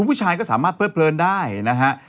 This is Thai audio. ผู้ชายก็สามารถเพลิดเลินได้นะฮะ